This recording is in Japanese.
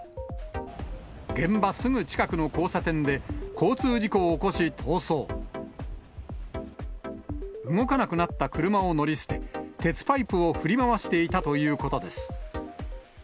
警察によりますと、動かなくなった車を乗り捨て、鉄パイプを振り回していたということです。